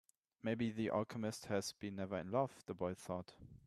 Maybe the alchemist has never been in love, the boy thought.